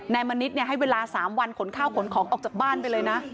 มณิษฐ์ให้เวลา๓วันขนข้าวขนของออกจากบ้านไปเลยนะ